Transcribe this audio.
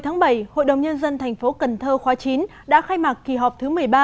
ngày một mươi bảy hội đồng nhân dân tp cần thơ khóa chín đã khai mạc kỳ họp thứ một mươi ba